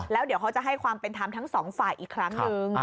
แล้วเดี๋ยวเขาจะให้ความเป็นธรรมทั้งสองฝ่ายอีกครั้งหนึ่ง